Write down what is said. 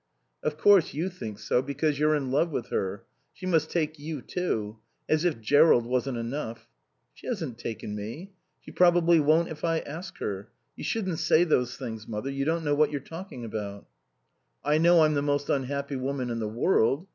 "Of course you think so, because you're in love with her. She must take you, too. As if Jerrold wasn't enough." "She hasn't taken me. She probably won't if I ask her. You shouldn't say those things, Mother. You don't know what you're talking about." "I know I'm the most unhappy woman in the world.